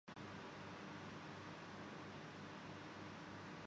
خون عشاق سے جام بھرنے لگے دل سلگنے لگے داغ جلنے لگے